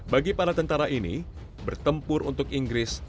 bagi para tentara ini bertempur untuk inggris